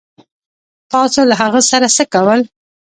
تاسو له هغه سره څه کول